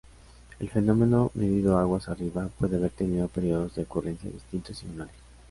El fenómeno, medido aguas arriba, puede haber tenido períodos de ocurrencia distintos -y menores-.